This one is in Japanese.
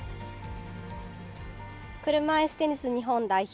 車いすテニス日本代表